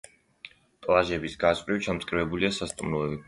პლაჟების გასწვრივ ჩამწკრივებულია სასტუმროები.